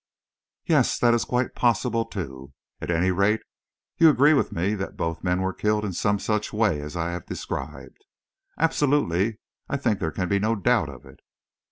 "Yes; that is quite possible, too. At any rate, you agree with me that both men were killed in some such way as I have described?" "Absolutely. I think there can be no doubt of it."